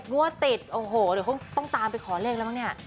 งวดติดโอ้โหเดี๋ยวเขาต้องตามไปขอเลขแล้วมั้งเนี่ย